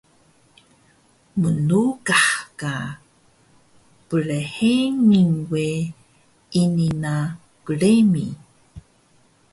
Mnluqah ka brhengil we, ini na gremi